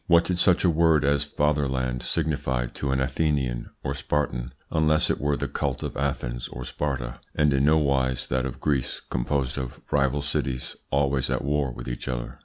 What did such a word as "fatherland" signify to an Athenian or Spartan unless it were the cult of Athens or Sparta, and in no wise that of Greece, composed of rival cities always at war with each other?